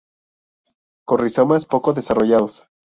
Con rizomas poco desarrollados.